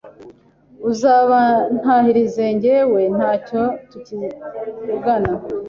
uzabantahirize njyewe ntacyo tukivugana